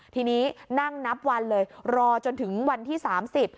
ทีนี้นั่งนับวันเลยรอจนถึงวันที่สามสิบ